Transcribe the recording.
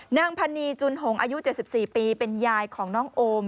นางพันนีจุนหงอายุ๗๔ปีเป็นยายของน้องโอม